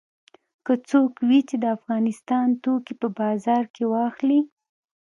که څوک وي چې د افغانستان توکي په بازار کې واخلي.